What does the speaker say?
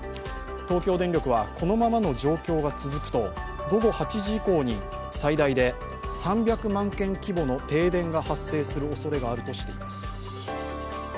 東京電力はこのままの状況が続くと午後８時以降に最大で３００万軒規模の停電が発生するおそれがあるとしています。